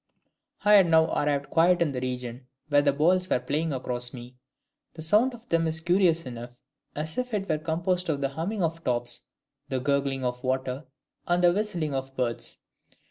"I had now arrived quite in the region where the balls were playing across me: the sound of them is curious enough, as if it were composed of the humming of tops, the gurgling of water, and the whistling of birds.